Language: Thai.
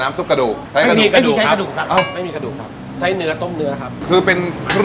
อยากให้พูดเลยครับ